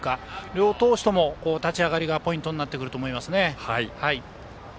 両投手とも立ち上がりがポイントになってくると思いますね。